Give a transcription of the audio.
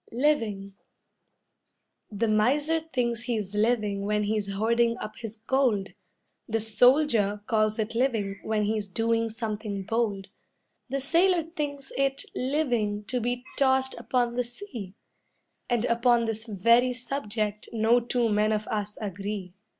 LIVING The miser thinks he's living when he's hoarding up his gold; The soldier calls it living when he's doing something bold; The sailor thinks it living to be tossed upon the sea, And upon this very subject no two men of us agree.